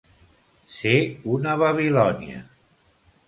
Ser una Babilònia.